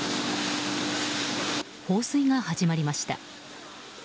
放水が始まりました。